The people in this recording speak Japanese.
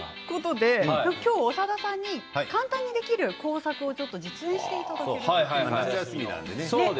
長田さんに簡単にできる工作を実演していただきます。